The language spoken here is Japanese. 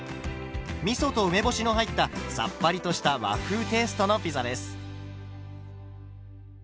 みそと梅干しの入ったさっぱりとした和風テイストのピザです。